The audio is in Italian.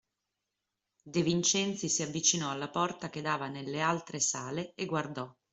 De Vincenzi si avvicinò alla porta che dava nelle altre sale e guardò.